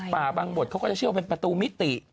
บางบทเขาก็จะเชื่อว่าเป็นประตูมิติ